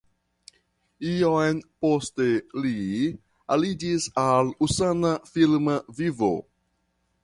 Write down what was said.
Iom poste li aliĝis al usona filma vivo.